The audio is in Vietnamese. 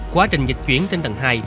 quá trình dịch chuyển trên tầng hai